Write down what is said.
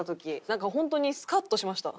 なんか本当にスカッとしました。